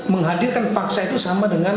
menghadirkan paksa itu sama dengan